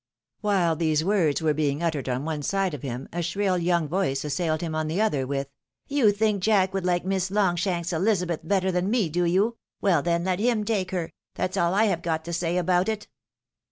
While these words were being uttered on one side of him, a shrill, young voice assailed him on the other with, " You think Jack would like Miss Longshanks Elizabeth better than me, do you ? Well then, let him take her— that's all I have got to say about it."